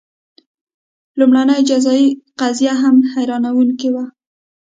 لومړنۍ جزايي قضیه هم حیرانوونکې وه.